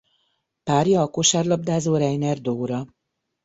Párja a kosárlabdázó Reiner Dóra.